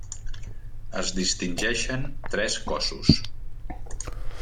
Es distingeixen tres cossos.